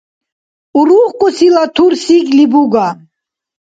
УрухкӀусила тур сигли буга.